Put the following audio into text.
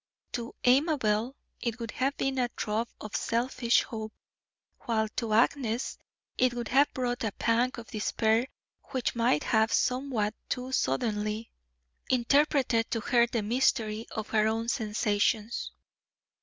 To Amabel it would have given a throb of selfish hope, while to Agnes it would have brought a pang of despair which might have somewhat too suddenly interpreted to her the mystery of her own sensations.